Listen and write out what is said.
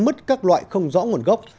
mứt các loại không rõ nguồn gốc